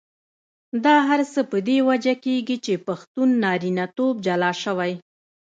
دا هر څه په دې وجه کېږي چې پښتون نارینتوب جلا شوی.